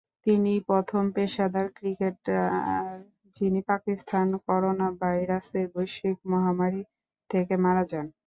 তিনিই প্রথম পেশাদার ক্রিকেটার যিনি পাকিস্তানে করোনাভাইরাসের বৈশ্বিক মহামারী থেকে মারা যান।